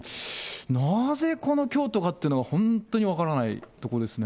なぜこの京都がっていうのが、本当に分からないところですね。